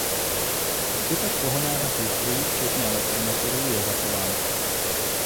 Zbytek pohonného soustrojí včetně elektromotorů je zachován.